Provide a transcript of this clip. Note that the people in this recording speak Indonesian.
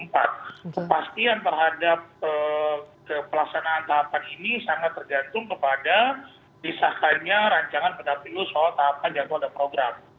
kepastian terhadap pelaksanaan tahapan ini sangat tergantung kepada disahkannya rancangan pendapilu soal tahapan jadwal dan program